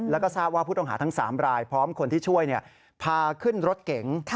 แล้วก็ทราบว่าผู้ต้องหาทั้ง๓รายพร้อมคนที่ช่วยพาขึ้นรถเก๋ง